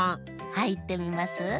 はいってみます？